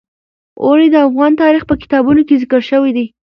اوړي د افغان تاریخ په کتابونو کې ذکر شوی دي.